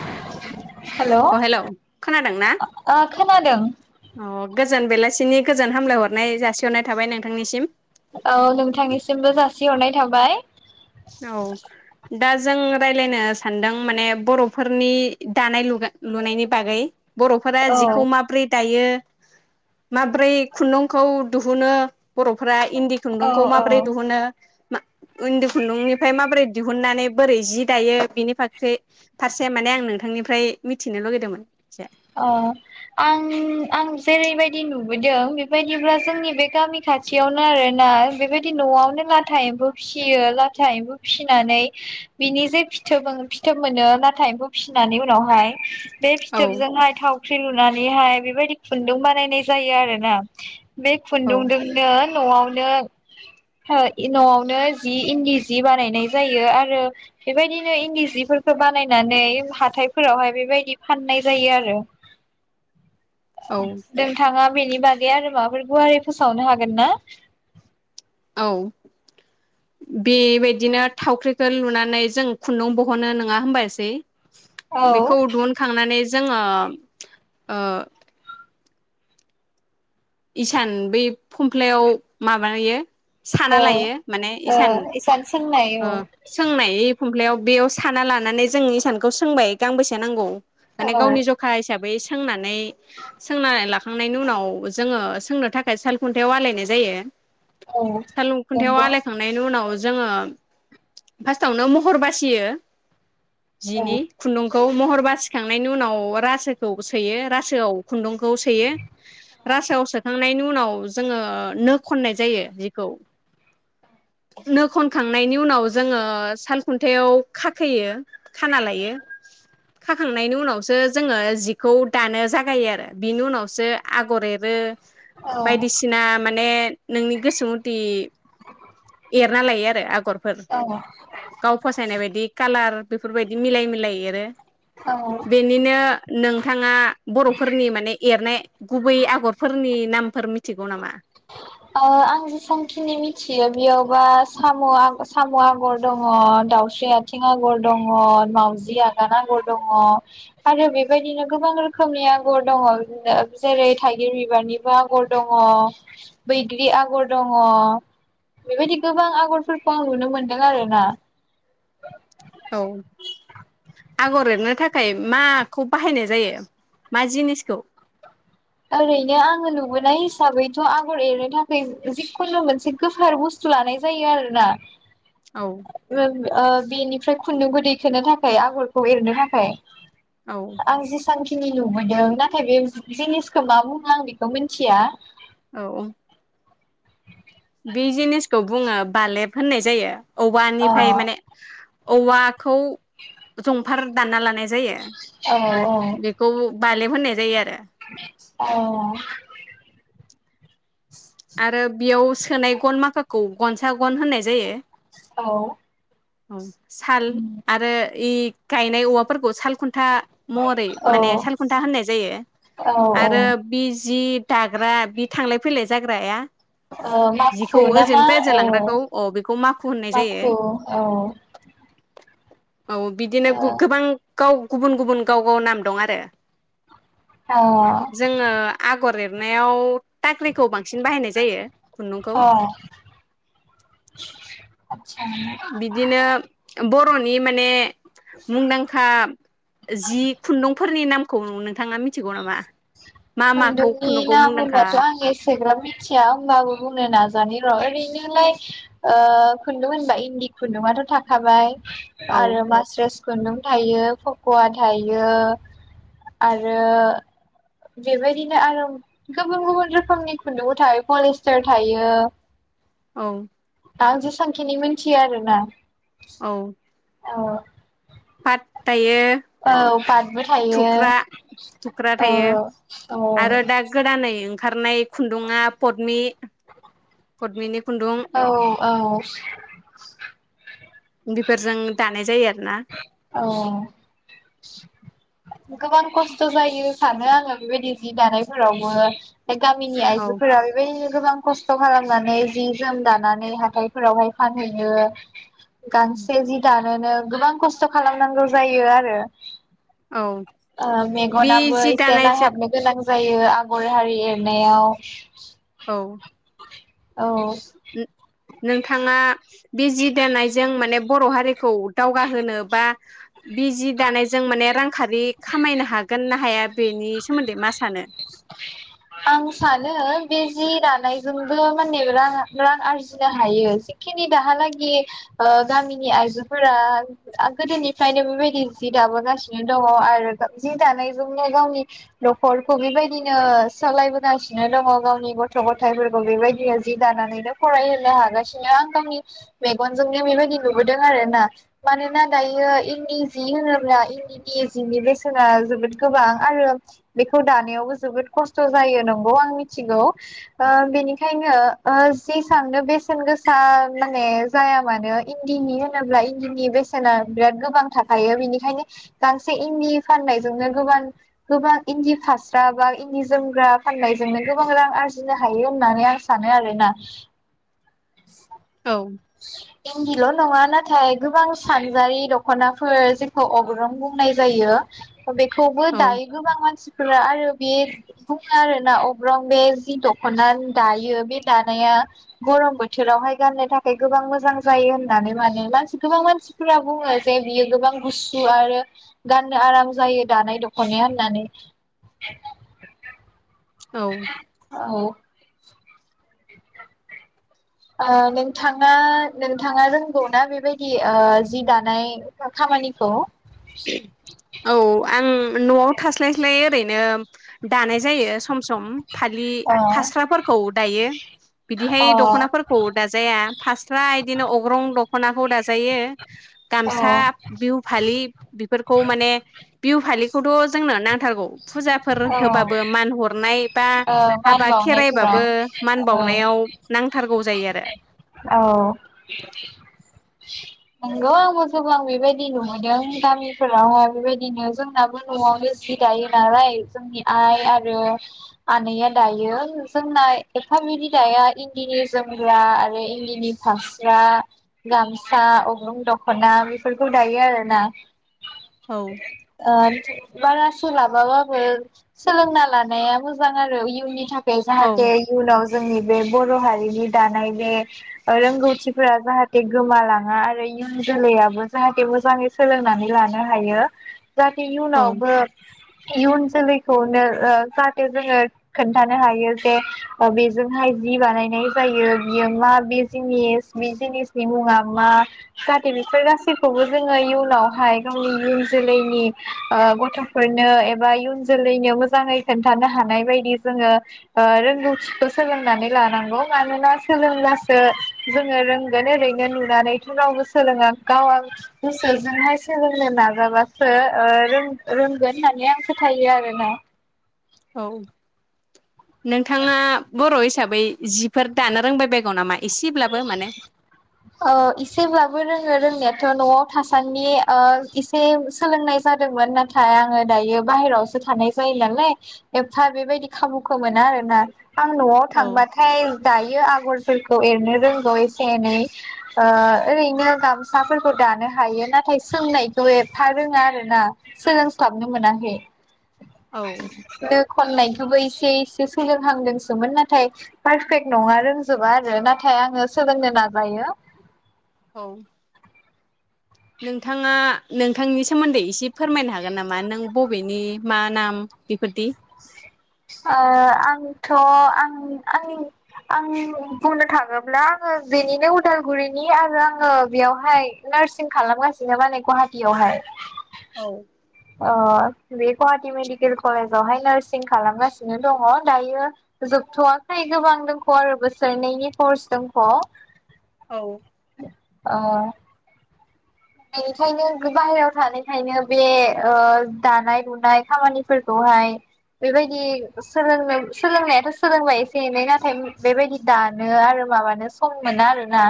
[unintelligible] अ ओ हेल खोनादों ना? खोनादों अ गोजोन बेलासिनि गोजोन हामलायहरनाय जासिहरनाय थाबाय नोंथांनिसिम । औ नोंथांनिसिमबो जासिहरनाय थाबाय । औ दा जों रायलायनो सानदों माने बर'फोरनि दानाय लु-लुनायनि बागै बर'फोरा औ जिखौ माबोरै दायो माब्रै खुन्दुंखौ दुहुनो बरफोरा इन्दि औ खुन्दुंखौ औ माबोरै दुहुनो [unintelligible] खुन्दुंनिफ्राय माबोरै दिहुननानै बोरै जि दायो बिनि फारसे फारसे माने आं नोंथांनिफ्राय मिथिनो लुगैदोंमोन । अ आं-आं जेरैबायदि बिदि नुबोदों बेबायदिब्ला जोंनि बे गामि खाथियावनो आरोना बेबायदि न'आवनो लाथा एम्फौ फिसियो लाथा एम्फौ फिनानै बिनि जे फिथोब फिथोब मोनो लाथा एम्फौ फिसिनानै उनावहाय बे औ फिथोब फ्राय थावख्रि लुनानैहाय बेबायदि खुन्दुं बानायनाय जायो आरो ना। बे औ खुन्दुंदोंनो नआवनो नआवनो जि इन्दि जि बानायनाय जायो आरो बेबायदिनो इन्दि सिफोरखौ बानायनानै हाथायफोरावहाय बेबायदि फाननाय जायो आरो औ नोंथाङा बेनि बागै आरो माबाफोर गुवारै फोसावनो हागोन ना? औ बेबायदिनो थावख्रिखो लुनानै जों खुन्दुं बहनो नङा होनबबायासै औ बेखौ दुहुनखांनानै जो जोङो ओ इसान बै फुमफ्लायाव माबायो साना औ लायो माने ओ इसान सोंनाय ओ औ सोंनाय खम्लायाव बेयाव साना लानानै जों इसानखौ सोंबाय गांबेसे नांगौ माने औ गावनि जखा हिसाबै सोंनानै सोंनानै लाखांनायनि उनाव जो जोङो सोंनो थाखाय साल खुन्थायाव आलायनाय जायो औ सालुं खुन्थायाव नंगौ आलायखांनायनि उनाव जो जोङो फार्स्टाआवनो महर बासियो जिनि खुन्दुं खौ महर बासिखांनायनि उनाव रासोखौ सोयो रासोआव खुन्दुंखौ सोयो रासायाव सोखांनायनि उनाव जोङो नो खननाय जायो जिखौ नो खनखांनायनि उनाव जोङो साल खुन्थायाव खाखोयो खाना लायो खाखांनायनि उनावसो जोङो जिखौ दानो जागायो आरो बिनि उनावसो आगर एर रो औ बायदिसिना माने नोंनि गोसोमुति एरना लायो आरो आगरफोर औ गाव फसायनाय बायदि कालार बेफोरबायदि मिलाय मिलाय एरो औ बेनिनो आ नोंथाङा बरफोरनि माने एरनाय गुबै आगर फोरनि नामफोर मिथिगौ नामा? अ‌ आं जेसांखिनि मिथि थियो बेयावबा साम साम आगर दङ दाउस्रि आथिं आगर दङ माउजि आगान आगर दङ आरो बेबायदिनो गोबां रोखोमनि आगर दङ जेरै थाइगिर बिबारनिबो आगर दङ बैग्रि आगर दङ बेबायदि गोबां आगरफोरखौ आं नुनो मोनदों आरोना औ आगर एरनो थाखाय माखौ बाहायनाय जायो मा जिनिसखौ? ओरैनो आङो नुबोनाय हिसाबैथ आगर एरनो थाखाय जिखुनु मोनसे गोफार बुस्थु लानाय जायो आरोना औ ओ बेनिफ्राय खुन्दुं खौ दैखोनो थाखाय आगरखौ एरनो थाखाय। औ। सांखिनि नुबोदों नाथाय बे जिनिस खौ मा बुङो आं बेखौ मोन्थिया औ औ। बे जिनिसखौ बुङो बालेब होन्नाय जायो। अ औवानिफ्राय माने औवाखौ जं फार दान्ना लानाय जायो औ बेखौ बालेब होन्नाय जायो आरो। अ। आरो बेयाव सोनाय गन माखाखौ गनसा गन होन्नाय जायो। औ। औ। साल आरो इ गायनाय औवाफोरखौ साल खुन था महरै माने औ सालखुन्था होन्नाय जायो औ औ आरो बि जि दाग्रा बि थां फैलाय जाग्राया ओ जिखौ माखु ना मा ओजोंनिफ्राय ओजों ओ लांग्राखौ अ बेखौ माखु होननाय जायो माखु औ। औ बिदिनो अ गु गोबां गाव गुबुन गुबुन गाव गाव नाम दं आरो। अ जोङो आगर एरनायाव ताख्रिखौ बांसिन बाहायनाय जायो खुन्दुंखौ। आदसा बिदिनो बर' नि माने मुंदांखा जि खुन्दुंफोरनि नाम खौ नोंथाङा मिथिगौ नामा? मा माखौ खुन्दुंनि खुन्दुंखौ नाम मुंदांखा होनबाथ आं एसेग्राब मिथिया होमबाबो बुंनो नाजा जनि र ओरैनोलाय ओ खुन्दुं होनबा इन्दि खुन्दुंआथ थाखाबाय औ आरो मास्रेस खुन्दुं थायो फकवा थायो आरो बेबायदिनो आरो गुबुन गुबुन रोखोमनि खुन्दुंबो थायो पलिस्टार थायो औ। आं जेसांखिनि मोन्थियो आरोना औ। औ। दायो औ पाटबो थायो थुख्रा औ थायो औ। खारनाय खुन्दुङा पदमि पदमिनि खुन्दुं औ औ [inaudible] बिफोरजों दानाय जायो आ ना औ गोबां कस स्थ जायो सानो आङो बेबायदि जि दानायफोरावबो गामिनि औ आयजोफोरा बेबायदि गोबां खस्थ खालामनानै जि जोम दानानै हाथायफोरावहाय फानहैयो गांसे जि दा नोनो गोबां खस्थ खालामनांगौ जायोआरो औ ओ बे मेगनाबो जि एसे दानायजों नायहाबनो गोनां जायो आगर हारि एरनायाव औ औ नों-नोंथाङा बि जि दानायजों माने बर हारिखौ दावगाहोनो बा बि जि दानायजों माने रांखारि खामायनो हागोन ना हाया बेनि सोमोन्दै मा सानो आं सानो बे जि दानायजोंबो माने रां रां आरजिनो हायो जिखिनि दाहालागि ओ गामिनि आइजोफोरा आ गोदोनिफ्रायनो बेबायदि जि दाबोगासिनो दङ आरो जि दानायजोंनो गावनि नखरखौ बेबायदिनो सा सालायबोगासिनो दङ गावनि गथ गथायफोरखौ बेबायदिनो जि दानानैनो फरायहोनो हागासिनो आं गावनि मेगनजोंनो बेबायदि नुबोदों आरोना मानोना दायो इन्दि जि होनोब्ला इन्दिनि जिनि बेसेना जोबोद गोबां आरो बेखौ दानायावबो जोबोद खस स्थ जायो नंगौ आं मिथिगौ ओ बेनिखायनो जेसांनो बेसेन गोसा माने जाया मानो इन्दिनि होनोब्ला इन्दिनि बेसेना बिराद गोबां थाखायो बिनिखायनो गांसे इन्दि फाननायजोंनो गोबां गोबां इन्दि फास्रा बा इन्दिज जोमग्रा फाननायजोंनो गोबां रां आरजिनो हायो होननानै आं सानो आरोना औ इनदिल नङा नाथाय गोबां सानजारि दखनाफोर जेखौ अग्रं बुंनाय जायो बेखौबो औ दायो गोबां मानसि फोरा आरो बे बुङो आरो ना अग्रं बे जि दखना दायो बे दानाया गरम बोथोरावहाय गाननो था खाय गोबां मोजां जायो होननानै माने मानसि गोबां मानसिफोरा बुङो जे बियो गोबां गुसु आरो गाननो आराम जायो दानाय दखनाया होननानै औ औ ओ नोंथाङा नोंथाङा रोंगौना बेबायदि ओ जि दानाय खामानिखौ औ आं नआव थास्लायस्लाय ओरैनो दानाय जायो सम सम फालि अ फास्राफोरखौ दायो बिदिहाय अ दखनाफोरखौ दाजाया फास्रा इदिनो अग्रं दखनाखौ दाजायो औ गामसा बिहु फालि फोरखौ माने बिहु फालिखौथ जोंनो नांथारगौ फुजाफोर औ होबाबो मान हरनाय बा ओ मान हाबा खेराइबाबो बावनायफोराव मान बावनायाव नांथार औ नोंगौ आंबो गोबां बेबायदि नुबोदों गामिफोरावहाय बेबायदिनो जोंनाबो न'आवनो जि दायो नालाय जोंनि आइ आरो आनैया दायो जोंना एफा बिदि दाया इन्दिनि जोमग्रा आरो इन्दिनि फास्रा गामसा अग्रं दखना बेफोरखौ दायो आरोना। औ ओ बारासोलाबाबाबो सोलोंना लानाया मोजां आरो इयुननि था खाय औ जाहाथे इयुनाव जोंनि बे बर' हारिनि दानाय बे ओ रोंगौथिफ्रा जाहाथे गोमालाङा आरो इयुन जोलैयाबो जाहाथे मोजाङै सोलोंनानै लानो हायो। जाहाथे औ इयुनावबो इयुन जोलैखौनो ओ जाहाथे जोङो खोन्थानो हायो जे ओ बेजोंहाय जि बानायनाय जायो बियो मा बे जिनिस बे जिनिसनि मुङा मा जाहाथे बेफोर गासैखौबो जोङो इयुनावहाय गावनि उन जोलैनि ओ गथ'फोरनो एबा इयुन जोलैनो मोजाङै खोन्थानो हानाय बायदि जोङो ओ रोंगौथिखौ सोलोंनानै लानांगौ। मानोना सोलोंब्लासो जोङो रोंगोन ओरैनो नुनानैथ' रावबो सोलोङा गाव आ गोसोजोंहाय सोलोंनो नाजाबासो ओ रों-रोंगोन होननानै आं फोथायो आर ना। औ नोंथाङा बर' हि साबै जिफोर दानो रोंबायबायगौ नामा एसेब्लाबो माने? ओ इसेब्लाबो रोङो रों नायाथ' न'आव थासानदि ओ इसे सोलोंनाय जादोंमोन नाथाय आङो दायो बाहेरावसो थानाय जायो नालाय एफा बेबायदि खाबुखौ मोना आरोना। आं न'आव औ थांबाथाय दायो आगरफोरखौ एरनो रोंगौ एसे एनै ओ ओरैनो गामसाफोरखौ दानो हायो नाथाय सोंनायखौ एफा रोङा आरोना सोलोंस्लाबनो मोनाखै । औ खननायखौबो इसे इसे सोलोंहांदोंसोमोन नाथाय पारफेक्ट नङा रोंजोबा आरो नाथाय आङो सोलोंनो नाज जायो। औ नोंथाङा नोंथांनि सोमोन्दै एसे फोरमायनो हागोन नामा नों बबेनि मा नाम बेफोरदि? आंथ आं आं आं बुंनो थाङोब्ला आङो बेनिनो उदालगुरिनि आरो आङो बेयावहाय नार्सिं खालामगासिनो माने गुवाहाटीयावहाय। औ ओ बे गुवाहाटि मेडिकेल कलेजावहाय नार्सिं खालामगासिनो दङ दायो जोबथवाखै गोबां दंख आरो बोसोरनैनि कर्स दंख। औ अ बेनिखायनो बाहेरायाव थानायखायनो बे ओ दानाय लुनाय खामानिफोरखौहाय बेबायदि सोलोंनो सोलोंनायाथ' सोलोंबाय एसे एनै नाथाय बेबायदि दानो आरो माबानो सम मोना आरोना।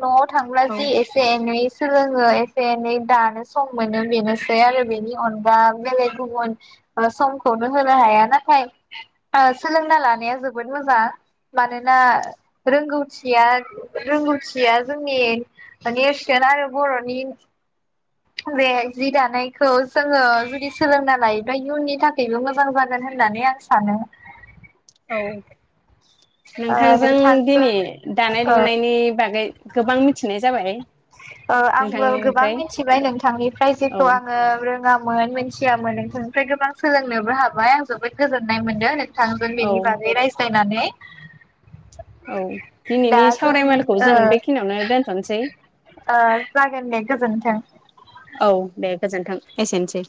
न'आव थांब्ला जि एसे एनै सोलोङो एसे एनै दानो सम मोनो बेनोसै आरो बेनि अनगा बेलेग गुबुन समखौनो होनो हाया नाथाय सोलोंना ओ लानाया जोबोद मोजां मानोना रोंगौथिया रोंगौथिया जोंनि नेरसोन आरो बर'नि बे जि दानायखौ जोङो जुदि सोलोंना लायोब्लाा इयुननि थाखायबो मोजां जागोन होननानै आं सानो। औ नोंथांजों दिनै दानाय ओ लुनायनि बागै गोबां मिथिनाय जाबायहाय। आंबो गोबां मिथिबाय नोंथांनिफ्राय औ जेखौ आङो। रोङामोन मिन्थियामोन नोंथांनिफ्राय गोबां सोलोंनोबो हाबाय आं जोबोद गोजोननाय मोनदों। थांगोन औ बेनि बागै रायज्लायनानै। औ दा दिनैनि जों सावरायमेलखौ ओ जों बेखिनियावनो दोनथनोसै। जागोन दे गोजोनथों। गोजोनथों एसेनोसै।